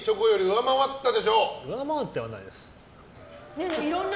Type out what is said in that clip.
上回ってはないです。